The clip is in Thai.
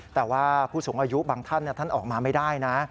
แต่ว่าผู้สูงอายุบางท่านท่านออกมาไม่ได้นะ